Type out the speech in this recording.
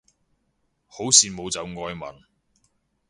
好羨慕就外文